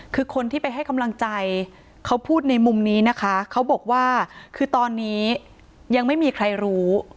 คือคนที่ไปให้กำลังใจเขาพูดในมุมนี้นะคะเขาบอกว่าคือตอนนี้ยังไม่มีใครรู้